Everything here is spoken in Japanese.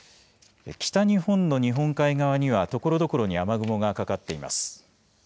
北日本の日本海側にはところどころに雨雲がかかっています。